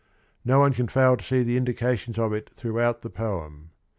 No one can fail to see the indications of it throughout the poem.